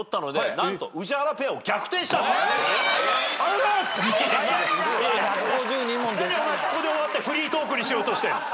何お前ここで終わってフリートークにしようとしてんの？